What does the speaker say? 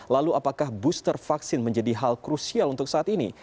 lalu apakah booster vaksin menjadi hal krusial untuk saat ini